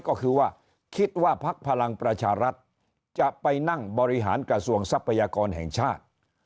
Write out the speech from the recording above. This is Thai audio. ก็คือว่าคิดว่าพักพลังประชารัฐจะไปนั่งบริหารกระทรวงทรัพยากรแห่งชาติ